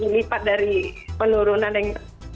nah lima empat dari penurunan yang